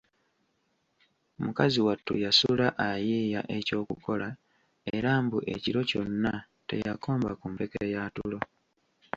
Mukazi wattu yasula ayiiya ekyokukola era mbu ekiro kyonna teyakomba ku mpeke ya tulo.